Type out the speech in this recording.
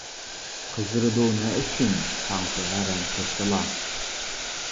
قىزىرىدۇ نە ئۈچۈن؟ تاڭ سەھەر ھەم كەچتىلا.